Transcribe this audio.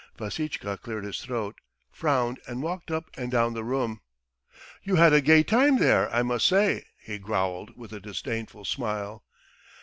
Vassitchka cleared his throat, frowned, and walked up and down the room. "You had a gay time there, I must say," he growled with a disdainful smile.